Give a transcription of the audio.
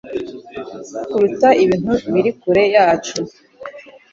kuruta ibintu biri kure yacu